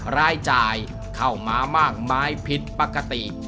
รายจ่ายเข้ามามากมายผิดปกติ